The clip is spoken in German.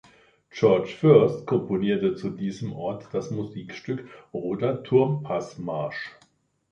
Georg Fürst komponierte zu diesem Ort das Musikstück "Roter Turmpaß-Marsch".